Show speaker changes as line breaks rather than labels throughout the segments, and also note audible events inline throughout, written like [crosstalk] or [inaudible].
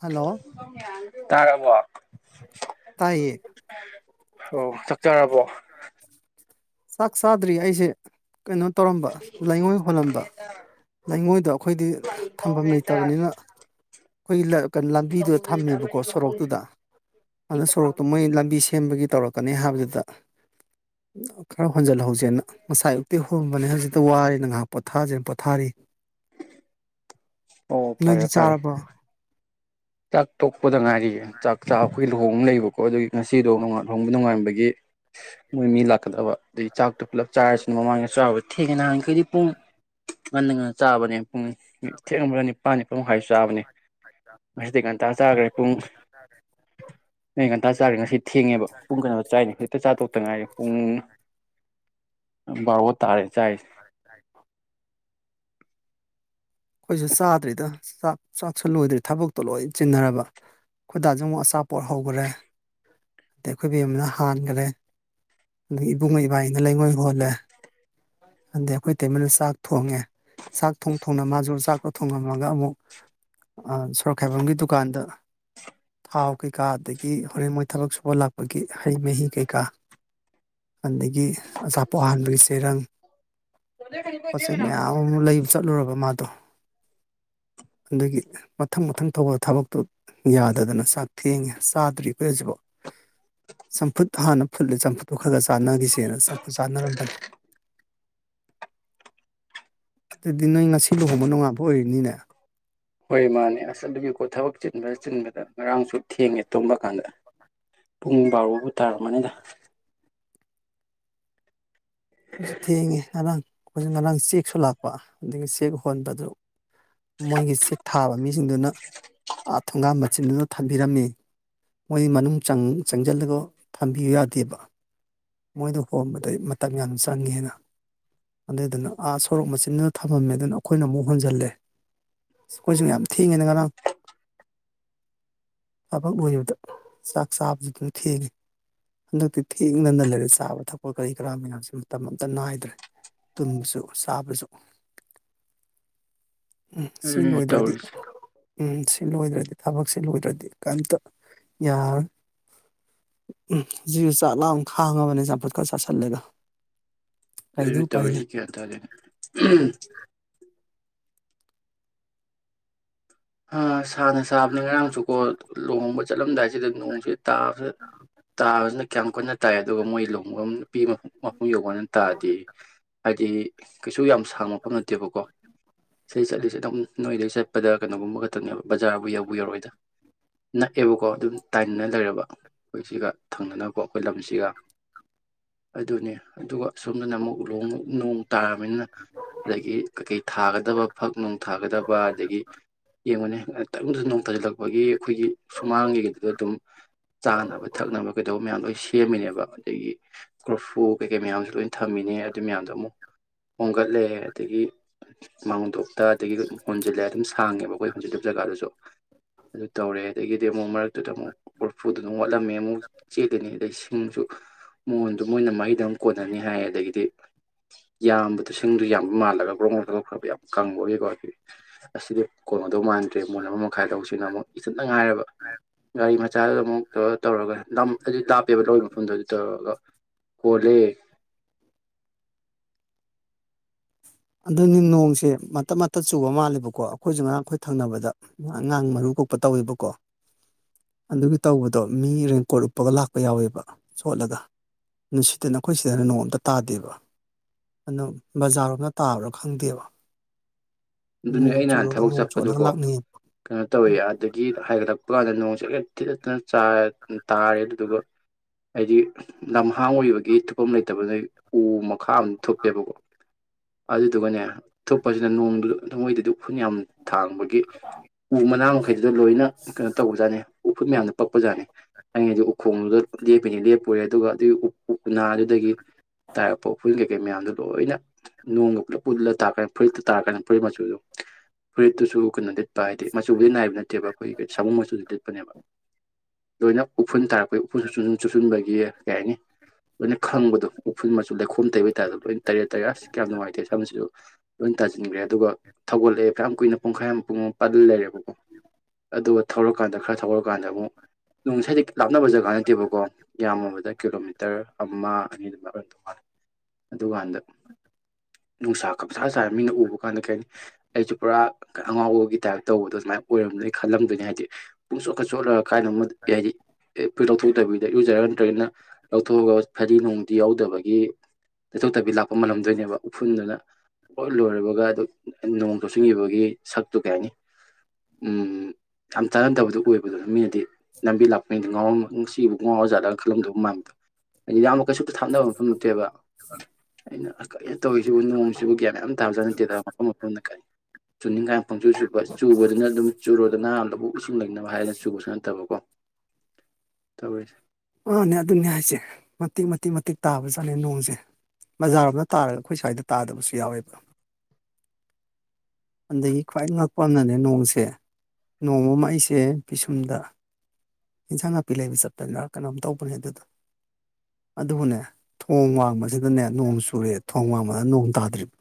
hello
ꯇꯔꯕ
ꯇꯥꯏꯌꯦ
ꯑꯣ ꯆꯠꯆꯔꯕꯣ
ꯁꯥꯥꯛꯁꯗꯔꯤ ꯍꯥꯏꯏꯁꯦ ꯀꯩꯅꯣ ꯇꯧꯔꯝꯕ ꯂꯩꯉꯣꯏ ꯍꯣꯜꯂꯝꯕ ꯂꯩꯉꯣꯏꯗꯣ ꯑꯩꯈꯣꯏꯗꯤ ꯊꯝꯐꯝ ꯂꯩꯇꯕꯅꯤꯅ ꯑꯩꯈꯣꯏ ꯀꯣ ꯂꯝꯕꯤꯗꯨꯗ ꯊꯝꯃꯦꯕꯀꯣ ꯁꯣꯔꯣꯛꯇꯨꯗ ꯑꯗꯨꯗ ꯁꯣꯔꯣꯛꯇꯣ ꯃꯣꯏ ꯂꯝꯕꯤ ꯁꯦꯝꯕꯒꯤ ꯇꯧꯔꯛ ꯀ ꯀꯅꯤ ꯍꯥꯏꯕꯁꯤꯗ ꯀꯔ ꯐꯖꯂ ꯍ ꯍꯧꯁ ꯉꯁꯥꯏ ꯎꯛꯇꯤ ꯍꯣꯟꯕꯅꯦ ꯍꯧꯖꯤꯛꯇ ꯋꯥꯔꯤꯔꯦ ꯅ ꯉꯥꯏꯍꯥꯛ ꯄꯣꯊꯥꯖꯅ ꯄꯣꯊꯥꯔꯤ
ꯑꯣ ꯐꯔꯦ
ꯅꯣꯏꯗꯤ
ꯐꯔꯦ
ꯆꯥꯔꯕꯣ
ꯆꯥꯛ ꯇꯣꯛꯄꯗ ꯉꯥꯏꯔꯤꯌꯦ ꯆꯥꯛ ꯆꯥ ꯑꯩꯈꯣꯏ ꯂꯨꯍꯣꯡꯕ ꯂꯩꯕꯀꯣ ꯑꯗꯨꯒꯤ ꯉꯁꯤꯗꯣ ꯂꯨꯍꯣꯡꯕ ꯅꯨꯡꯉꯥꯏꯥꯟꯕꯒꯤ ꯃꯣꯏ ꯃꯤ ꯂꯥꯛꯀꯗꯕ ꯑꯗꯗꯒꯤ ꯆꯥꯛꯇꯣ ꯄꯨꯂꯞ ꯆꯥꯔꯁꯤꯅ ꯃꯃꯥꯡꯗ ꯆꯥꯔꯕ ꯊꯦꯡꯉꯦ ꯅꯍꯥꯟꯈꯩꯗꯤ ꯄꯨꯡ ꯉꯟꯅ ꯉꯟꯅ ꯆꯥꯕꯅꯦ ꯄꯨꯡ ꯊꯦꯡꯉꯃꯒ ꯅꯤꯄꯥꯜ ꯅꯤꯄꯥꯟꯃꯥꯏꯁꯨ ꯆꯥꯕꯅꯦ ꯉꯗꯤ ꯀꯟꯇꯥ ꯆꯥꯈ꯭ꯔꯦ ꯄꯨꯡ ꯉ ꯆꯥꯔꯦ ꯉꯁꯤ ꯊꯦꯡꯉꯦꯕ ꯄꯨꯡ ꯀꯩꯅꯣꯗ ꯆꯥꯏꯅꯤ ꯍꯦꯛꯇ ꯆꯥꯊꯣꯛꯇ ꯉꯥꯏꯔꯦ ꯄꯨꯡ ꯕꯥꯔꯣ ꯇꯥꯔꯦ ꯆꯥꯏ
ꯑꯩꯈꯣꯏꯁꯨ ꯆꯥꯗ꯭ꯔꯤꯗ ꯆꯥꯛꯁꯤꯜꯂꯣꯏꯗ꯭꯭ꯔꯦ ꯊꯕꯛꯇꯣ ꯂꯣꯏ ꯆꯤꯟꯅꯔꯕ ꯑꯩꯣꯏꯗꯥꯁꯨ ꯑꯃꯨꯛ ꯑꯆꯥꯄꯣꯠ ꯍꯧꯈꯔꯦ ꯑꯗꯩ ꯑꯩꯈꯣꯏꯕꯤ ꯑꯃꯅ ꯍꯥꯟꯈꯔꯦ ꯑꯗꯒꯤ ꯏꯕꯨꯡꯉꯩ ꯥꯏꯅ ꯂꯩꯉꯣꯏ ꯍꯣꯜꯂꯦ ꯑꯗꯗꯤ ꯑꯩꯈꯣꯏ ꯇꯩꯃꯅ ꯆꯥꯛ ꯊꯣꯡꯉꯦ ꯆꯥꯛ ꯊꯣꯡ ꯊꯣꯡꯅ ꯃꯥꯁꯨ ꯗꯨ ꯆꯥꯛꯇꯣ ꯊꯣꯡꯉꯝꯃꯒ ꯑꯃꯨꯛ ꯁꯣꯔꯣꯛ ꯈꯥꯏꯕꯝꯒꯤ ꯗꯨꯀꯥꯟꯗ ꯊꯥꯎ ꯀꯩꯀꯥ ꯑꯗꯒꯤ ꯍꯣꯔꯦꯟ ꯃꯣꯏ ꯊꯕꯛ ꯁꯨꯕ ꯂꯥꯛꯄꯒꯤ ꯍꯩ ꯃꯍꯤ ꯀꯩꯀꯥ ꯑꯗꯒꯤ ꯑꯆꯥꯄꯣꯠꯍꯟꯕꯒꯤ ꯆꯦꯔꯪ ꯄꯣꯠꯆꯩ ꯃꯌꯥꯝ ꯑꯃ ꯂꯩꯕ ꯆꯠꯂꯨꯔꯕ ꯃꯥꯗꯣ ꯑꯗꯒꯤ ꯃꯊꯪ ꯃꯊꯪ ꯊꯧꯕ ꯊꯕꯛꯇꯨ ꯌꯥꯗꯗꯅ ꯆꯥꯛ ꯊꯦꯡꯉꯦ ꯆꯥꯗ꯭ꯔꯤ ꯑꯩꯈꯣꯏ ꯍꯧꯖꯤꯐ ꯆꯝꯐꯨꯠ ꯍꯥꯟꯅ ꯐꯨꯠꯂꯦ ꯆꯝꯐꯨꯠꯇꯨ ꯈꯔꯒ ꯆꯥꯅꯈꯤꯁꯦꯅ ꯆꯝꯐꯨꯠ ꯆꯥꯅꯔꯝꯕꯅꯤ ꯑꯗꯨꯗꯤ ꯅꯣꯏ ꯉꯁꯤ ꯂꯨꯍꯣꯡꯕ ꯅꯨꯡꯉꯥꯄ ꯑꯣꯏꯔꯤꯅꯤꯅ
ꯍꯣꯏ ꯃꯥꯅꯦ ꯑꯁ ꯑꯗꯨꯒꯤꯀꯣ ꯊꯕꯛ ꯆꯤꯟ ꯆꯤꯟꯕꯗ ꯉꯔꯥꯡꯁꯨ ꯊꯦꯡꯉꯦ ꯇꯨꯝꯕ ꯀꯥꯟꯗ ꯄꯨꯡ ꯕꯥꯔꯣꯕꯨ ꯇꯥꯔꯝꯃꯅꯤꯗ
ꯑꯩꯁ ꯊꯟꯒꯤ ꯉꯥꯔꯥꯡ ꯑꯩꯈꯣꯏ ꯉꯔꯥꯡ ꯆꯦꯛꯁꯨ ꯂꯥꯛꯄ ꯑꯗꯒꯤ ꯆꯦꯛ ꯍꯣꯟꯕꯗꯨ ꯃꯣꯏꯒꯤ ꯆꯦꯛ ꯊꯥꯕ ꯃꯤꯁꯤꯡꯗꯨꯅ ꯑꯥ ꯊꯣꯡꯒꯥ ꯃꯆꯤꯟꯗꯨꯗ ꯊꯝꯕꯤꯔꯝꯃꯤ ꯃꯣꯏꯒꯤ ꯃꯅꯨꯡ ꯆꯪꯁꯤꯜꯂꯒ ꯊꯝꯕꯤꯌꯨ ꯌꯥꯗꯦꯕ ꯃꯣꯏꯗ ꯍꯣꯟꯕꯗꯩ ꯃꯇꯝ ꯌꯥꯝ ꯆ ꯆꯪꯉꯦꯅ ꯑꯗꯨꯏꯗꯨꯅ ꯑꯥ ꯁꯣꯔꯣꯛ ꯃꯆꯤꯟꯗꯨꯅ ꯊꯝꯃꯝꯃꯦ ꯑꯗꯨꯅ ꯑꯩꯈꯣꯏꯅ ꯑꯃꯨꯛ ꯍꯣꯟꯖꯜꯂꯦ ꯑꯩꯈꯣꯏꯁꯨ ꯌꯥꯝ ꯊꯦꯡꯉꯦꯅ ꯉꯔꯥꯡ ꯊꯕꯛ ꯂꯣꯏꯕꯗ ꯆꯥꯛ ꯆꯥꯕꯁꯨ ꯑꯗꯨꯝ ꯊꯦꯡꯉꯦ ꯍꯟꯗꯛꯇꯤ ꯊꯦꯡꯅꯅ ꯂꯩꯔꯦ ꯆꯥꯕ ꯊꯛꯄ ꯀꯔꯤ ꯀꯔꯥ ꯃꯌꯥꯝꯁꯤꯃ ꯃꯇꯝ ꯑꯇ ꯅꯥꯏꯗ꯭ꯔꯦ ꯇꯨꯝꯕꯁꯨ ꯆꯥꯕꯁꯨ ꯎꯝ ꯁꯤ ꯂꯣꯏꯗ꯭ꯔꯗꯤ ꯎꯝ ꯁꯤ ꯁꯤ ꯂꯣꯏꯗ꯭ꯔꯗꯤ ꯊꯕꯛꯁꯤ ꯂꯣꯏꯗ꯭ꯔꯗꯤ ꯀꯔꯤꯝꯇ ꯌꯥꯔꯣꯏ ꯖꯤꯁꯨ ꯆꯥꯛ ꯂꯥ ꯈꯥꯡꯉꯕꯅꯦ ꯆꯝꯐꯠꯀ ꯆꯥꯁꯤꯜꯂꯒ ꯀꯩꯗꯤ
ꯑꯩꯅ
ꯎꯄꯥꯏ ꯂꯩ
ꯇꯧꯔꯤꯁꯤ ꯒ꯭ꯌꯥꯟ ꯇꯥꯗꯦꯅ ꯑ ꯊꯥꯅ ꯁꯥꯕꯅꯦ ꯉꯔꯥꯡꯁꯨꯀꯣ ꯂꯨꯍꯕ ꯆꯠꯂꯝꯗꯥꯏꯁꯤꯗ ꯅꯣꯡꯁꯦ ꯇꯥ ꯇꯥꯕꯁꯤꯅ ꯀꯌꯥꯝ ꯀꯟꯅ ꯇꯥꯏ ꯑꯗꯨꯒ ꯃꯣꯏ ꯂꯨꯍꯣꯡꯕ ꯅꯨꯄꯤ ꯃꯄꯨꯝ ꯌꯧꯧꯕꯅ ꯇꯥꯗꯤ ꯍꯥꯏꯗꯤ ꯀꯩꯁꯨ ꯌꯥꯝ ꯁꯥꯡꯉꯛꯄ ꯐ ꯅꯠꯇꯦꯕꯀꯣ ꯁꯤ ꯆꯠꯂꯤ ꯆꯠ ꯇꯣꯝ ꯅꯣꯏꯗ ꯆꯠꯄꯗ ꯀꯩꯅꯣꯒꯨꯝꯕ ꯈꯛꯇꯅꯦꯕ ꯕꯖꯥꯔꯕꯨ ꯌꯧꯕ ꯌꯥꯔꯣꯏꯗ ꯅꯛꯑꯦꯕꯀꯣ ꯑꯗꯨꯝ ꯇꯥꯏꯅꯅ ꯂꯩꯔꯕ ꯑꯩꯈꯣꯏ ꯁꯤꯒ ꯊꯪꯅꯅꯕꯀꯣ ꯑꯩꯈꯣꯏ ꯂꯝꯁꯤꯒ ꯑꯗꯨꯅꯤ ꯑꯗꯨꯒ ꯁꯣꯝꯗꯅ ꯑꯃꯨꯛ ꯅꯣꯡ ꯇꯥꯔꯕꯅꯤꯅ ꯑꯗꯒꯤ ꯀꯩꯀꯩ ꯊꯥꯒꯗꯕ ꯐꯛ ꯅꯨꯡ ꯊꯥꯒꯗꯕ ꯑꯗꯒꯤ ꯌꯦꯡꯕꯨꯅꯦ ꯇꯔꯝꯗꯁꯨ ꯅꯣꯡ ꯇꯥꯁꯤꯜꯂꯛꯄꯒꯤ ꯑꯩꯈꯣꯏꯒꯤ ꯁꯨꯃꯥꯡꯒꯤꯗꯨꯗ ꯑꯗꯨꯝ ꯆꯥꯅꯕ ꯊꯛꯅꯕ ꯀꯩꯗꯧꯕ ꯃꯌꯥꯝ ꯂꯣꯏ ꯁꯦꯝꯃꯤꯅꯦꯕ ꯑꯗꯒꯤ ꯀ꯭ꯔꯣꯐꯨ ꯀꯩꯀꯩ ꯃꯌꯥꯝꯁꯨ ꯂꯣꯏꯅ ꯊꯝꯃꯤꯅꯦ ꯑꯗꯨ ꯃꯌꯥꯝꯗꯣ ꯑꯃꯨꯛ ꯍꯣꯝꯒꯠꯂꯦ ꯑꯗꯒꯤ ꯃꯥꯡꯗꯣꯛꯇ ꯑꯗꯒꯤ ꯑꯗꯨꯝ ꯍꯣꯟꯖꯤꯜꯂꯦ ꯑꯗꯨꯝ ꯊꯥꯡꯉꯦꯕ ꯑꯩꯈꯣꯏ ꯍꯟꯖꯤꯤꯂꯕ ꯖꯒꯥꯗꯨꯁꯨ ꯑꯗꯨ ꯇꯧꯔꯦ ꯑꯗꯒꯤꯗꯤ ꯑꯃꯨꯛ ꯃꯔꯛꯇꯨꯗ ꯑꯃꯨꯛ ꯀꯣꯔꯐꯨꯗꯨ ꯑꯗꯨꯝ ꯋꯥꯠꯂꯝꯃꯦ ꯑꯃꯨꯛ ꯆꯦꯂꯤꯅꯤ ꯑꯗꯩ ꯁꯤꯡꯁꯨ ꯃꯣꯟꯗ ꯃꯣꯏꯅ ꯃꯍꯩꯗꯨꯛ ꯀꯣꯟꯅꯅꯤ ꯍꯥꯏꯌꯦ ꯑꯗꯒꯤꯗꯤ ꯌꯥꯝꯕꯗꯣ ꯁꯤꯡꯗꯨ ꯌꯥꯝꯕ ꯃꯥꯜꯂꯒ ꯒ꯭ꯔꯣꯛ ꯃꯗꯣꯛꯈ꯭ꯔꯕ ꯌꯥꯝ ꯀꯪꯕ ꯑꯣꯏꯀꯣ ꯍꯥꯏ ꯑꯁꯤꯗꯤ ꯀꯣꯟꯒꯗꯧ ꯃꯥꯟꯗ꯭ꯔꯦ ꯃꯣꯟ ꯑꯃ ꯃꯈꯥꯏ ꯂꯧꯁꯤꯅ ꯑꯃꯨꯛ ꯏꯊꯟꯇ ꯉꯥꯏꯔꯕ ꯒꯥꯔꯤ ꯃꯆꯥꯗꯨꯗ ꯑꯃꯨꯛ ꯇꯧꯔ ꯇꯧꯔꯒ ꯑꯗꯨ ꯂꯥꯞꯄꯦꯕ ꯂꯧꯔꯤꯕ ꯃꯐꯝꯗꯣ ꯑꯗꯨ ꯇꯧꯔꯒ ꯀꯣꯜꯂꯦ
ꯑꯗꯨꯅꯤ ꯅꯣꯡꯁꯦ ꯃꯇꯞ ꯃꯞ ꯆꯨꯕ ꯃꯥꯜꯂꯦꯕꯀꯣ ꯑꯩꯈꯣꯏꯁꯨ ꯉꯔꯥꯡ ꯑꯩꯈꯣꯏ ꯊꯪꯅꯕꯗ ꯑꯉꯥꯡ ꯃꯔꯨ ꯀꯣꯛꯄ ꯇꯧꯋꯦꯕꯀꯣ ꯑꯗꯨꯒꯤ ꯇꯧꯕꯗꯣ ꯃꯤ ꯔꯦꯟꯀꯣꯠ ꯎꯞꯄꯒ ꯂꯥꯛꯄ ꯌꯥꯎꯋꯦꯕ ꯁꯣꯠꯂꯒ ꯑꯗꯨ ꯁꯤꯗ ꯅꯈꯣꯏ ꯁꯤꯗꯅ ꯅꯣꯡ ꯑꯝꯇ ꯇꯥꯗꯦꯕ ꯑꯗꯨꯅꯣ ꯕꯖꯥꯔꯣꯝꯗ ꯇꯥꯕ꯭ꯔꯥ ꯈꯡꯗꯦꯕ
ꯑꯗꯨꯅꯤ ꯑꯩꯅꯍꯥꯟ ꯊꯕꯛ ꯆꯠꯄꯗꯨꯀꯣ
ꯂꯥꯛꯅꯩꯌꯦ
ꯀꯩꯅꯣ ꯇꯧꯋꯤ ꯑꯗꯒꯤ ꯍꯥꯏꯒꯠꯂꯛꯄ ꯊꯨꯞꯄ ꯀꯥꯟꯗ ꯅꯣꯡ ꯆꯦꯂꯠ ꯊꯤꯗꯠꯇꯅ ꯇꯥꯔꯦ ꯑꯗꯨꯗꯨꯒ ꯍꯥꯏꯗꯤ ꯂꯝꯍꯥꯡ ꯑꯣꯏꯕꯒꯤ ꯊꯨꯞꯐꯝ ꯂꯩꯇꯕ ꯅꯣꯏ ꯎ ꯃꯈꯥ ꯑ ꯊꯨꯞꯄꯦꯕꯀꯣ ꯑꯗꯨꯗꯨꯒꯅꯦ ꯊꯨꯞꯄꯁꯤꯅ ꯅꯣꯡꯗꯨꯗ ꯝ ꯃꯣꯏꯗꯗꯤ ꯎꯐꯨꯜ ꯌꯥꯝ ꯊꯥꯡꯕꯒꯤ ꯎ ꯃꯅꯥ ꯃꯈꯩꯗꯨꯗ ꯂꯣꯏꯅ ꯀꯩꯅꯣ ꯇꯧꯕꯖꯥꯠꯅꯤ ꯎꯐꯨꯜ ꯃꯌꯥꯝꯅ ꯄꯛꯄ ꯖꯥꯠꯅꯤ ꯑꯩꯒꯤꯗ ꯎꯈꯣꯡꯗꯨꯗ ꯂꯦꯞꯄꯤꯅꯤ ꯂꯦꯞꯄꯔꯦ ꯑꯗꯨꯒ ꯑꯗꯨꯒꯤ ꯎꯅꯥꯗꯨꯗꯒꯤ ꯇꯥꯔꯛꯄ ꯎꯈꯨꯏ ꯀꯩꯀꯩ ꯃꯌꯥꯝꯗꯨ ꯂꯣꯏꯅ ꯅꯣꯡꯅꯥ ꯄꯨꯂꯞ ꯄꯨꯂ ꯇꯥ ꯐꯥ ꯐꯨꯔꯤꯇꯥ ꯇꯥꯗꯅꯥ ꯃꯆꯣ ꯄꯨꯣꯏꯠꯇꯨꯁꯨꯨ ꯀꯗꯤ ꯇ ꯍꯥꯏꯗꯤ ꯃꯆꯨꯕꯨꯗꯤ ꯅꯥꯏꯕ ꯅꯠꯇꯦꯕ ꯑꯩꯈꯣꯏꯒꯤ ꯁꯒꯝ ꯃꯆꯨꯗꯤ ꯇꯦꯠꯄꯅꯦꯕ ꯂꯣꯏꯅ ꯎꯐꯨꯜ ꯇꯥꯔꯛꯄ ꯑꯩꯈ ꯎꯟ ꯆꯟ ꯆꯠꯁꯤꯟꯕꯒꯤ ꯌꯦ ꯀꯩ ꯍꯥꯏꯅꯤ ꯂꯣꯏꯅ ꯈꯪꯕꯗꯣ ꯎꯐꯨꯜ ꯃꯆꯨ ꯂꯩꯈꯣꯝ ꯇꯩꯕ ꯑꯗ ꯂꯣꯏꯅ ꯇꯔꯦꯠ ꯇꯔꯦ ꯑꯁ ꯌꯥꯝ ꯅꯨꯡꯉꯥꯏꯇꯦ ꯁꯝꯁꯤꯁꯨ ꯂꯣꯏ ꯇꯥꯁꯤꯟꯕꯤ꯭ꯔꯦ ꯑꯗꯨꯒ ꯊꯧꯒꯠꯂꯛꯑꯦ ꯀꯌꯥꯝ ꯀꯨꯏꯅ ꯄꯨꯡꯈꯥꯏ ꯑꯃ ꯄꯨꯡ ꯑꯃꯨꯛ ꯄꯥꯜ ꯂꯩꯔꯦꯕꯀꯣ ꯑꯗꯨꯒ ꯊꯧꯔꯀꯥꯟꯗ ꯈꯔ ꯊꯧꯒꯠꯂꯀꯥꯟꯗ ꯑꯃꯨꯛ ꯅꯨꯡ ꯏꯁꯩꯩꯗꯒꯤ ꯂꯥꯞꯅꯕ ꯖꯒꯥꯥꯟꯗ ꯅꯠꯇꯦꯕꯀꯣ ꯌꯥꯝꯃꯨꯕꯗ ꯀꯤꯂꯣꯃꯤꯇꯔ ꯑꯃ ꯑꯅꯤꯗꯨꯃꯥꯏ ꯇ ꯃꯥꯜꯂꯤ ꯑꯗꯨꯀꯥꯟꯗ ꯅꯨꯡꯁꯥ ꯀꯞꯁꯥ ꯆꯥꯔꯦ ꯃꯤꯅ ꯎꯕ ꯀꯟꯅ ꯀꯅꯤ ꯑ ꯄꯨꯔꯥ ꯑꯉꯥꯎꯕꯒꯤ ꯇꯥꯏꯞ ꯇꯧꯕꯗꯣ ꯑꯗꯨꯨꯃꯥꯏꯅ ꯑꯣꯏꯔꯝꯗꯣꯏ ꯈꯜꯂꯝꯗꯣꯏꯅꯤ ꯍꯥꯏꯗꯤ ꯄꯨꯡ ꯆꯣꯠꯀ ꯆꯣꯠꯂꯒ ꯀꯥꯏꯅꯣꯃ ꯌꯥꯔꯤ ꯎꯐꯨꯣꯏ ꯂꯧꯊꯣꯛꯇꯕꯤꯗ ꯏꯔꯨꯖꯔ ꯅꯠꯇ꯭ꯔꯒꯅ ꯂꯧꯊꯣꯛꯑꯒ ꯐꯗꯤ ꯅꯣꯡꯗꯤ ꯌꯥꯎꯗꯕꯒꯤ ꯇꯩꯊꯣꯛꯇꯕꯤ ꯂꯥꯛꯄ ꯃꯜꯂꯝꯗꯣꯏꯅꯦꯕ ꯎꯐꯨꯟꯗꯨꯅꯣꯏ ꯂꯣꯏꯔꯕꯒ ꯑꯗꯨ ꯅꯣꯡ ꯆꯣꯛ ꯆꯤꯡꯉꯈꯤꯕꯒꯤ ꯁꯛꯇꯨ ꯀꯩ ꯍꯥꯏꯅꯤ ꯌꯥꯝ ꯇꯥꯅꯟꯗꯕꯗꯨꯣ ꯑꯣꯏꯕꯗꯨꯅ ꯃꯤꯅꯗꯤ ꯂꯝꯕꯤ ꯂꯥꯛꯄꯅꯤꯗꯤ ꯉꯥꯎꯔꯝꯁꯤꯕꯨ ꯉꯥꯎꯔ ꯖꯥꯠꯂꯒ ꯈꯜꯂꯝꯗꯧꯕ ꯃꯥꯡꯥꯟꯕꯗꯣ ꯍꯥꯏꯗꯤ ꯌꯥꯝ ꯀꯩꯁꯨꯨꯞꯇ ꯊꯥꯞꯅꯕ ꯃꯐꯝ ꯅꯠꯇꯦꯕ ꯑꯩꯅ ꯀ ꯇꯧꯔꯤꯁꯤꯕꯨ ꯅꯣꯡꯁꯤꯕꯨ ꯒ꯭ꯌꯥꯟ ꯌꯥꯝ ꯇꯥꯕꯖꯥꯠ ꯅꯠꯇꯦꯗ ꯃꯐꯝ ꯃꯐꯝ ꯀ ꯆꯨꯅꯤꯡꯉ ꯄꯣꯡꯆ ꯆꯨꯄ ꯆꯨꯕꯗꯨꯅ ꯑꯗꯨꯝ ꯆꯨꯔꯗꯅꯝꯗꯕꯨ ꯁꯨꯝ ꯂꯩꯅꯕ ꯍꯥꯏꯗꯅ ꯆꯨꯕꯁꯨ ꯅꯠꯇꯕꯀꯣ ꯇꯧꯔꯤꯁꯦ
ꯃꯥꯅꯦ ꯑꯗꯨꯅꯦ ꯍꯥꯏꯁꯦ ꯃꯇꯤꯛ ꯃꯇꯤꯛ ꯃꯇꯤꯛ ꯇꯥꯕꯖꯠꯂꯦ ꯅꯣꯡꯁꯦ ꯕꯖꯥꯔꯅ ꯇꯥꯔꯒ ꯑꯩꯈꯣꯏ ꯁ꯭ꯋꯥꯏꯗ ꯇꯥꯗꯕꯁꯨ ꯌꯥꯎꯋꯦꯕ ꯑꯗꯒꯤ ꯈ꯭ꯋꯥꯏ ꯉꯛꯄ ꯑꯃꯅꯅꯦ ꯅꯣꯡꯁꯦ ꯅꯣꯡꯃ ꯑꯃ ꯑꯩꯁꯦ ꯄꯤꯁꯨꯝꯗ ꯏꯟꯁꯥꯡ ꯅꯥꯄꯤ ꯂꯩꯕ ꯆꯄꯅꯤꯅ ꯀꯩꯅꯣꯝ ꯇꯧꯕꯅꯦ ꯑꯗꯨꯗ ꯑꯗꯨꯕꯨꯅꯦ ꯊꯣꯡ ꯋꯥꯡꯕꯁꯤꯗꯅꯦ ꯅꯣꯡ ꯆꯨꯔꯦ ꯊꯣꯡ ꯋꯥꯡꯃꯗ ꯅꯣꯡ ꯇꯥꯗ꯭ꯔꯤꯕ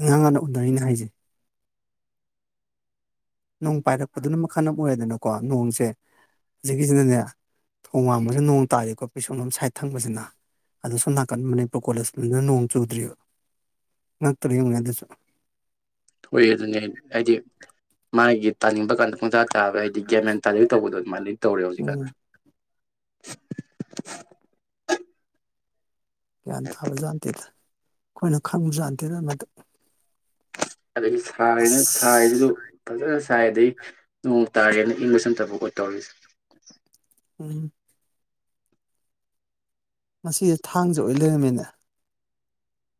ꯑꯉꯥꯡ ꯉꯥꯟꯅ ꯎꯅꯔꯤꯅꯦ ꯍꯥꯏꯁꯩ ꯅꯣꯡ ꯄꯥꯏꯔꯛꯄꯗꯨꯅ ꯃꯈꯜ ꯑꯃ ꯑꯣꯏꯔꯦꯗꯅꯀꯣ ꯅꯣꯡꯁꯦ ꯍꯧꯛꯀꯤꯁꯤꯅꯅꯦ ꯊꯣꯡ ꯋꯥꯡꯝꯕꯁꯨ ꯅꯣꯡ ꯇꯥꯔꯤꯀꯣ ꯄꯤꯁꯣꯟꯂꯣꯝ ꯁꯥꯏꯠ ꯊꯪꯕꯁꯤꯅ ꯑꯗꯨꯁꯨ ꯅꯥꯀꯟ ꯃꯅꯤꯄꯨꯔ ꯀꯣꯂꯦꯖꯅ ꯅꯣꯡ ꯆꯨꯗ꯭ꯔꯤꯕꯑꯔꯤꯕ ꯉꯛꯇꯔꯤ ꯌꯦꯡꯨꯉꯅꯦ ꯑꯗꯨꯁꯨ
ꯍꯣꯏ ꯑꯗꯨꯅꯦ ꯍꯥꯏꯗꯤ ꯃꯥꯒꯤ ꯇꯅꯤꯡꯕ ꯀꯥꯟ ꯃꯖꯥ ꯇꯥꯕ ꯍꯥꯏꯗꯤ ꯒꯦꯝꯃꯦꯟ ꯇꯥꯖꯦꯛ ꯇꯧꯕꯗꯣ ꯑꯗꯨꯃꯥꯏꯅ ꯂꯤ ꯇꯧꯔꯦ ꯍꯧꯖꯤꯛꯀꯥꯟ
ꯎꯝ ꯀ ꯊꯕꯖꯥꯟꯇꯦꯗ ꯑꯩꯈꯣꯏꯅ ꯈꯪꯕꯖꯥꯟꯗꯦꯅ ꯃꯗꯨ
ꯑꯗꯒꯤ ꯁꯥꯏꯅ ꯁꯥꯏꯗꯨꯁꯨ
ꯑꯁ
ꯐꯖ ꯁꯥꯏ ꯑꯗꯩ ꯅꯣꯡ ꯇꯥꯔꯦꯅ ꯏꯪꯕꯁꯟꯇꯕ ꯑꯣꯏ ꯇꯧꯔꯤꯁꯦ
ꯎꯝ ꯃꯁꯤꯁꯦ ꯊꯥꯡꯁꯦ ꯑꯣꯏꯅ ꯂꯩꯔꯝꯃꯤꯅ [unintelligible]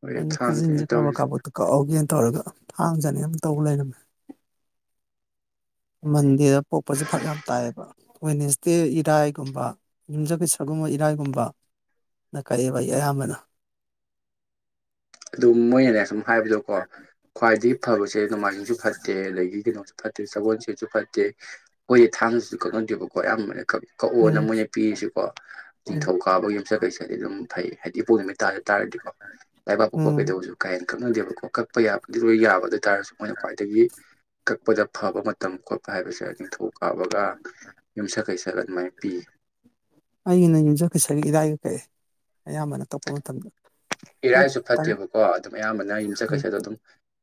ꯍꯣꯏ
ꯑꯩꯅ
ꯊꯥꯡꯗꯅꯦ
ꯈꯨꯖꯤꯟꯁꯦ ꯀꯥꯕꯛ
ꯇꯧꯔꯤꯁꯦ
ꯀꯥꯕꯛꯇꯣ ꯀꯛꯍꯧꯒꯦꯅ ꯇꯧꯔꯒ ꯊꯥꯡꯖꯅꯤ ꯌꯥꯝ ꯇꯧꯕ ꯂꯩꯔꯝꯃꯦ ꯃꯟꯗꯦꯗ ꯄꯣꯛꯄꯁꯦ ꯐꯛ ꯌꯥꯝ ꯇꯥꯏꯑꯌꯦꯕ ꯋꯦꯅꯦꯁꯗꯦ ꯏꯔꯥꯏꯒꯨꯝꯕ ꯌꯨꯝꯖꯕꯤꯁꯔꯒꯨꯝꯕ ꯏꯔꯥꯏꯒꯨꯝꯕꯅ ꯀꯛꯑꯦꯕ ꯑꯩ ꯑꯌꯥꯝꯕꯅ
ꯑꯗꯨꯝ ꯃꯣꯏꯅꯅꯦ ꯁꯨꯝ ꯍꯥꯏꯕꯗꯣꯀꯣ ꯈ꯭ꯋꯥꯏꯗꯒꯤ ꯐꯕꯁꯦ ꯅꯣꯡꯃꯥꯏꯖꯤꯡꯁꯨ ꯐꯠꯇꯦ ꯑꯗꯒꯤ ꯀꯩꯅꯣꯁꯨ ꯐꯠꯇꯦ ꯁꯒꯣꯜ ꯁꯦꯠꯁꯨ ꯐꯠꯇꯦ ꯑꯩꯈꯣꯏꯗꯤ ꯊꯥꯡꯁꯤꯁꯨ ꯀꯛꯅꯗꯦꯕꯀꯣ ꯑꯌꯥꯝꯕꯅ ꯀꯛꯑꯣꯅ
ꯎꯝ
ꯃꯣꯏꯅ ꯄꯤꯔꯤꯁꯤꯀꯣ
ꯎꯝ
ꯅꯤꯡꯊꯧꯀꯥꯕꯒꯤ ꯌꯨꯝꯁꯠꯈꯩꯁꯥꯗꯤ ꯑꯗꯨꯝ ꯐꯩ ꯍꯥꯏꯗꯤ ꯏꯄꯨ ꯅꯨꯃꯤꯠ ꯇꯥꯔꯦ ꯇꯥꯔꯗꯤꯀꯣ ꯇꯕꯕꯨ ꯀꯕꯣ
ꯎꯝ
ꯀꯩꯗꯧꯁꯨ ꯀꯥꯏ ꯍꯦ ꯀꯅꯗꯦꯕꯀꯣ ꯀꯛꯄ ꯌꯥꯕ ꯑꯗꯨꯗꯤ ꯂꯣꯏ ꯌꯥꯕꯗ ꯇꯥꯔꯁꯨ ꯃꯣꯏꯅ ꯈ꯭ꯋꯥꯏꯗꯒꯤ ꯀꯛꯄꯗ ꯐꯕ ꯃꯇꯝ ꯈꯣꯠꯄ ꯍꯥꯏꯕꯁꯦ ꯅꯤꯡꯊꯧ ꯀꯥꯞꯄꯒ ꯌꯨꯝ ꯁꯥꯀꯩ ꯁꯒꯠ ꯑꯗꯨꯃꯥꯏꯅ ꯄꯤ
ꯑꯒꯤꯩꯅ ꯌꯨꯝꯖ ꯀꯩꯁꯒꯤ ꯏꯗꯥꯥꯏꯒ ꯀꯛꯑꯦ ꯑꯌꯥꯝꯕꯅ ꯇꯛꯄ ꯃꯇꯝꯗ ꯍꯣꯏ
ꯏꯔꯥꯏꯁꯨ
ꯈꯤꯇꯪ
ꯐꯠꯇꯦꯕꯀꯣ ꯑꯗꯨꯝ ꯑꯌꯥꯝꯕꯅ ꯌꯨꯝꯆꯠ
ꯎꯝ
ꯀꯩꯁꯩꯗ ꯑꯗꯨꯝ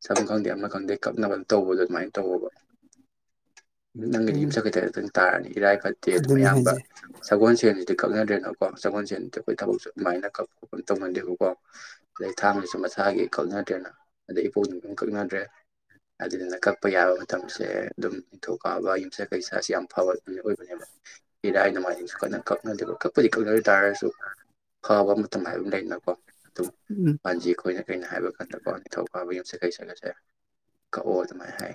ꯁ ꯑꯗꯨꯝ ꯈꯪꯗꯦ ꯑꯃꯅ ꯈꯪꯗꯦ ꯀꯞꯅꯕꯅ ꯇꯧꯕꯗꯣ ꯑꯗꯨꯃꯥꯏꯅ ꯇꯧꯕ ꯅꯪꯒꯤꯗꯤ
ꯎꯝ
ꯌꯨꯝꯁꯛꯀꯤꯩꯗꯇꯪ ꯇꯥꯔꯅꯤ ꯏꯔꯥꯏ ꯐꯠꯇꯦ ꯑꯗꯨꯝ
ꯑꯗꯨꯅꯦ
ꯑꯌꯥꯝꯕ
ꯍꯥꯏꯁꯦ
ꯁꯒꯣꯜ ꯁꯦꯟ ꯑ ꯀꯛꯅꯗ꯭ꯔꯦꯅꯀꯣ ꯆꯪꯍꯟꯁꯦꯅꯗꯤ ꯑꯩꯈꯣꯏ ꯊꯕꯛꯁꯨ ꯑꯗꯨꯃꯥꯏꯅ ꯀꯛ ꯈꯣꯠꯄ ꯇꯧꯒꯟꯗꯦꯕꯣ ꯀꯣ ꯑꯗꯩ ꯊꯥꯡꯅꯁꯨ ꯃꯁꯥꯒꯤ ꯀꯛꯅꯗ꯭ꯔꯦꯅ ꯑꯗꯩ ꯏꯄꯣꯛꯗꯨꯁꯨꯝ ꯀꯛꯅꯗ꯭ꯔꯦ ꯑꯗꯨꯗꯨꯅ ꯀꯛ ꯄꯄ ꯌꯥꯕ ꯃꯇꯝꯁꯦ ꯑꯗꯨꯝ ꯄꯊꯧꯀꯥꯕ ꯌꯨꯝꯁꯥ ꯀꯩꯁꯁꯤ ꯌꯥꯝ ꯐꯕ ꯑꯣꯏꯕꯅꯦꯕ ꯏꯔꯥ ꯍꯥꯏ ꯑꯗꯨꯃꯥꯏꯅꯁꯨꯈꯣꯏꯅ ꯀꯛꯅꯗꯕ ꯄ ꯇꯥꯔꯦꯁꯨ ꯍꯥꯎꯕ ꯑꯗꯨꯉꯥꯏꯕ ꯑꯃ ꯂꯩꯅꯀꯣ ꯑꯗꯨꯝ
ꯎꯝ
ꯄꯥꯟꯁꯤ ꯑꯩꯈꯣꯏꯅ ꯀꯩꯅ ꯍꯥꯏꯕ ꯀꯥꯟꯗꯀꯣ ꯅꯤꯡꯊꯧ ꯐꯥꯕ ꯌ ꯀꯩ ꯀꯗꯥꯏ ꯍꯥꯏ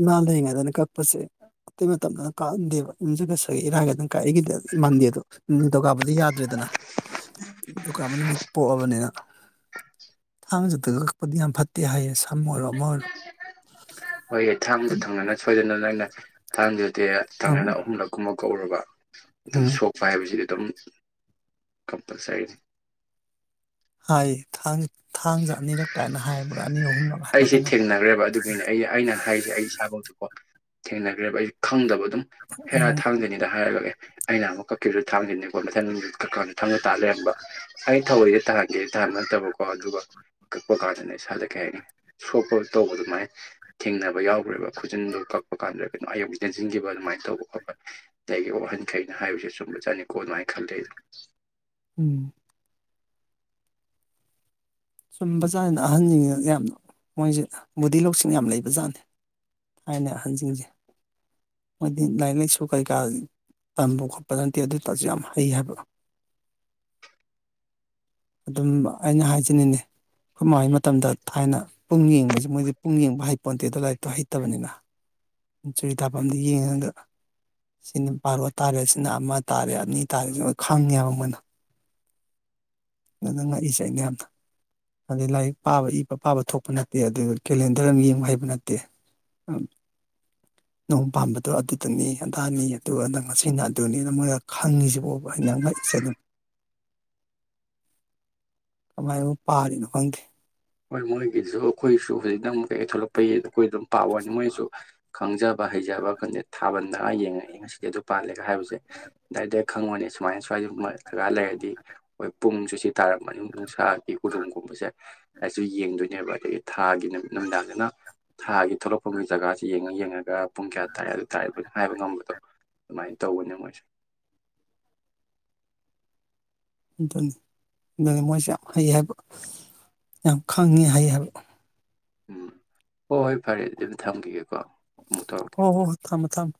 ꯏꯃꯥ ꯂꯩꯉꯩꯗꯅ ꯀꯛꯄꯁꯦ ꯑꯇꯩ ꯃꯇꯝꯗꯅ ꯀꯥꯍꯟꯗꯦꯕ ꯌꯨꯝꯖꯒꯠꯁꯦ ꯏꯔꯥꯏꯒꯗꯅ ꯀꯥꯏꯏꯒꯤꯗ ꯏꯃꯥꯟꯗꯦꯗꯣ ꯗꯤ ꯌꯥꯗ꯭ꯔꯦꯗꯅ ꯑꯗꯨꯒꯗꯨꯀ ꯑꯃ ꯅꯨꯃꯤꯠ ꯄꯣꯛꯑꯕꯅꯤꯅ ꯊꯥꯡꯃꯦꯖꯄꯗꯤ ꯌꯥꯝ ꯐꯠꯇꯦ ꯍꯥꯏꯁ ꯃꯣꯔ ꯃꯔ
ꯑ ꯍꯣꯏꯍ ꯊꯥꯡꯗꯣ ꯊꯪꯅꯅ ꯁꯣꯏꯗꯅ ꯅ ꯑꯪꯩꯅ ꯊꯥꯡꯗꯨꯗꯤ
ꯑꯪ
ꯀꯪꯅ ꯑꯍꯨꯝꯂꯛꯨꯝꯃ ꯍꯧꯔꯕ ꯑꯗꯨꯝ
ꯎꯝ
ꯁꯣꯛꯄ ꯍꯥꯏꯕꯁꯤꯗꯤ ꯑꯗꯨꯝ ꯀꯞ ꯇꯛ ꯁꯍꯤꯖ
ꯍꯥꯏꯥꯡ ꯊꯥꯡꯁꯦ ꯑꯅꯤꯔꯛ ꯀꯥꯏꯅ ꯍꯥꯏꯕ
ꯑꯩꯁꯦ ꯊꯦꯡꯅꯈ꯭ꯔꯦꯕ ꯑꯗꯨꯒꯤꯅꯦ ꯑꯩ ꯑꯩꯅ ꯍꯥꯏꯁꯦ ꯑꯩ ꯏꯁꯥꯐꯇꯀꯣ ꯊꯦꯡꯅꯈ꯭ꯔꯦꯕ ꯑꯩꯁꯨ ꯈꯪꯗꯕꯗꯣ ꯑꯗꯨꯝ ꯍꯦꯔꯥ ꯊꯥꯡꯖꯅꯤꯗ ꯍꯥꯏꯔꯒ ꯑꯦ ꯑꯩꯅ ꯑꯃꯨꯛ ꯀꯛꯈꯤꯕꯗ ꯊꯥꯡꯈꯤꯅꯤꯀꯣ ꯃꯊꯪꯅꯨꯡꯊ ꯀꯛꯀꯥꯟꯗ ꯊꯪꯗ ꯇꯥ ꯂꯩꯔꯝꯕ ꯑꯩ ꯊꯧꯔꯤꯁ ꯇꯥꯍꯟꯒꯦ ꯇꯥꯍꯕ ꯅꯠꯇꯕꯀꯣ ꯑꯗꯨꯒ ꯀꯛꯄ ꯀꯥꯟꯗꯅ ꯏꯁꯥꯗ ꯀꯩ ꯍꯥꯏꯅꯤ ꯁꯣꯛꯄ ꯇꯧꯕ ꯑꯗꯨꯃꯥꯏꯅ ꯊꯦꯡꯅꯕ ꯌꯥꯎꯈ꯭ꯔꯦꯕ ꯈꯨꯖꯤꯟꯗꯣ ꯀꯛꯄ ꯀꯥꯟꯗ ꯀꯩꯅꯝ ꯑꯌꯨꯛꯁꯤ ꯅꯁꯤꯟꯈꯤꯕ ꯑꯗꯨꯃꯥꯏꯅ ꯇꯧꯕ ꯈꯣꯠꯄ ꯑꯒꯤ ꯋꯥꯍꯟꯈꯩꯅ ꯍꯥꯏꯕꯁꯦ ꯁꯨꯝꯕ ꯆꯥꯠꯅꯤꯀꯣ ꯑꯗꯨꯃꯥꯏꯅ ꯈꯜꯜꯂꯤꯦ ꯑꯗꯨ
ꯎꯝ ꯆꯨꯝꯕꯖꯥꯠꯅ ꯑꯍꯟꯁꯤꯡꯁꯤꯅ ꯌꯥꯝ ꯃꯣꯏꯁꯦ ꯕꯨꯙꯤ ꯂꯧꯁꯤꯡ ꯌꯥꯝ ꯂꯩꯕ ꯖꯥꯠꯅꯤ ꯊꯅ ꯑꯍꯟꯁꯤꯡꯁꯦ ꯃꯣꯏꯗꯤ ꯂꯥꯏꯔꯤꯛ ꯂꯥꯏꯁꯨ ꯀꯔꯤ ꯀꯥ ꯇꯝꯕ ꯈꯣꯠꯄ ꯅꯠꯇꯦ ꯑꯗꯨ ꯑꯣꯏꯇꯥꯔꯁꯨ ꯌꯥꯝ ꯍꯩ ꯍꯥꯏꯕ ꯑꯗꯨꯝꯕ ꯑꯩꯅ ꯍꯥꯏꯖꯅꯤꯡꯉꯤ ꯍꯃꯩ ꯃꯇꯝꯗ ꯊꯥꯏꯅ ꯄꯨꯡ ꯌꯦꯡꯕꯁꯤ ꯃꯣꯏꯗꯤ ꯄꯨꯡ ꯌꯦꯡꯕ ꯍꯥꯏ ꯄꯣꯟꯇꯦꯗ ꯂꯥꯛ ꯍꯣꯏ ꯇꯕꯅꯤꯅ ꯆꯨꯔꯤ ꯊꯥꯐꯝꯗ ꯌꯦꯡꯉꯗ ꯁꯤꯅ ꯄꯥꯔꯣ ꯇꯥꯔꯦ ꯁꯤꯅ ꯑꯃ ꯇꯥꯔꯦ ꯑꯅꯤ ꯇꯥꯔꯦ ꯁꯤ ꯈꯪꯉꯦꯕ ꯃꯣꯏꯅ ꯑꯗꯨ ꯉꯛꯏꯁꯦꯅꯦ ꯌꯥꯝꯅ ꯍꯥꯏꯩ ꯂꯥꯏꯔꯤꯛ ꯄꯥꯕ ꯏꯕ ꯄꯥꯕ ꯊꯣꯛꯄ ꯅꯠꯇꯦ ꯑꯗꯨ ꯀꯦꯂꯦꯟꯗꯔ ꯑꯃ ꯌꯦꯡꯕ ꯍꯩꯕ ꯅꯠꯇꯦ ꯅꯣꯡ ꯄꯥꯟꯕꯥꯝꯕꯗꯣ ꯑꯗꯨꯗꯨꯅꯤ ꯑꯗꯥꯅꯤ ꯑꯗꯨꯗ ꯉꯁꯤꯅ ꯑꯗꯨꯅꯤꯅ ꯃꯣꯏꯅ ꯈꯪꯉꯤꯁꯤꯕꯕ ꯍꯥꯏꯅ ꯉꯛꯏꯁꯦ ꯑꯗꯨꯅꯤ ꯀꯃꯥꯏꯅ ꯄꯥꯔꯤꯅꯣ ꯈꯪꯗꯦ
ꯍꯣꯏ ꯃꯣꯏ ꯀꯁꯨ ꯑꯩꯈꯣꯏꯁꯨ ꯍꯧꯖꯤꯛꯇ ꯀꯩꯀꯩ ꯊꯣꯛꯂꯛꯄ ꯑꯩꯈꯣꯏ ꯑꯗꯨꯝ ꯄꯥꯋꯅꯤ ꯃꯣꯏꯁꯨ ꯈꯪꯖꯞ ꯍꯩꯖꯕ ꯀꯩꯅꯗ ꯊꯥꯕꯅꯤ ꯌꯦꯡꯉꯛꯏꯦ ꯉꯁꯤꯗꯤ ꯑꯗꯨ ꯄꯥꯜꯂꯦꯒ ꯍꯥꯏꯕꯁꯦ ꯗꯥꯏꯔꯦꯛ ꯈꯪꯉꯣꯅꯤ ꯁ ꯁꯨꯃꯥꯏꯅ ꯁ꯭ꯋꯥꯏꯗ ꯖꯒꯥ ꯂꯩꯔꯗꯤ ꯍꯣꯏ ꯄꯨꯡꯅꯤꯡꯁꯨꯨꯁꯤꯠ ꯇꯥꯔꯝꯕꯅꯤ ꯅꯨꯡꯁꯥꯒꯤ ꯍꯨꯗꯣꯡꯒꯨꯝꯕꯁꯦ ꯍꯥꯏꯁꯨ ꯌꯦꯡꯗꯣꯏꯅꯦꯕ ꯑꯗꯒꯤ ꯊꯥꯒꯤ ꯅꯨꯠ ꯅꯨꯃꯤꯗꯥꯡꯗꯅ ꯊꯥꯒꯤ ꯊꯣꯛꯂꯛꯐꯝꯒꯤ ꯖꯒꯥꯁꯤ ꯌꯦꯡꯉ ꯌꯦꯡꯉꯒ ꯄꯨꯡ ꯀꯌꯥ ꯇꯥꯔꯦ ꯑꯗꯨ ꯇꯥꯔꯦ ꯂꯣꯏꯅ ꯍꯥꯏꯕ ꯉꯝꯕꯗꯣ ꯑꯗꯨꯃꯥꯏꯅ ꯇꯧꯅꯃꯖ
ꯑꯗꯨꯅꯤ ꯑꯗꯨꯅꯤ ꯃꯣꯏꯁꯨꯦ ꯌꯥꯝ ꯍꯩ ꯍꯥꯏꯕ ꯌꯥꯝ ꯈꯪꯉꯤ ꯍꯩ ꯍꯥꯏꯕ
ꯎꯝ ꯍꯣꯏ ꯍꯣꯏ ꯐꯔꯦ ꯑꯗꯨꯝ ꯊꯝꯈꯤꯒꯦꯀꯣ ꯑꯃꯨꯛ ꯇꯧꯔꯛꯀꯦ
ꯍꯣ ꯍꯣ ꯍꯣ ꯊꯥꯡꯝꯕ ꯊꯥꯡꯝꯕ